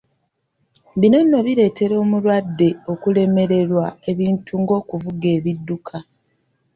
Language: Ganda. Bino nno bireetera omulwadde okulemererwa ebintu ng'okuvuga ebidduka.